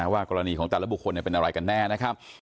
ว่ากรณีของแต่ละบุคคลเป็นอะไรกันแน่นะครับ